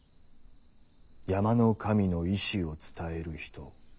「山の神の意思を伝へる人」。